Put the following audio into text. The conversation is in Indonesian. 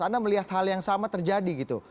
anda melihat hal yang sama terjadi gitu